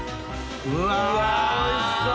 うわおいしそう！